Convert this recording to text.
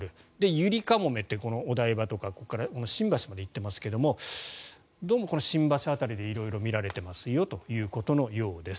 ゆりかもめってお台場とか新橋まで行っていますがどうもこの新橋辺りで色々見られてますよということのようです。